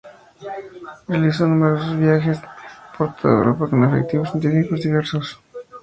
Realizó numerosos viajes por toda Europa con objetivos científicos diversos.